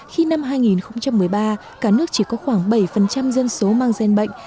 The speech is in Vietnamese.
khi năm hai nghìn một mươi ba cả nước chỉ có khoảng bảy dân số mang gian bệnh